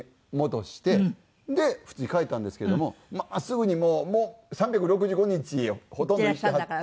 で普通に帰ったんですけれどもまあすぐにもう３６５日ほとんど行ってはった。